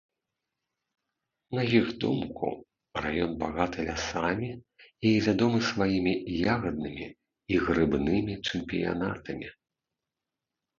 На іх думку, раён багаты лясамі і вядомы сваімі ягаднымі і грыбнымі чэмпіянатамі.